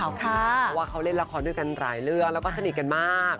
เพราะว่าเขาเล่นละครด้วยกันหลายเรื่องแล้วก็สนิทกันมาก